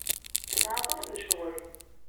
Tesɛa aṭas n ccɣel.